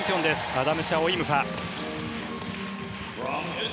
アダム・シャオ・イム・ファ。